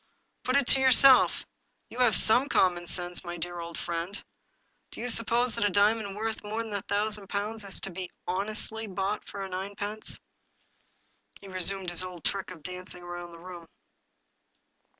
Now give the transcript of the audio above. Put it to yourself, you have some common sense, my deaf old friend !— do you suppose that a diamond worth more than a thousand pounds is to be honestly bought for ninepence ?"^ He resumed his old trick of dancing about the room.